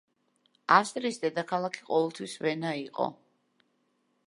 ავსტრიის დედაქალაქი ყოველთვის ვენა იყო.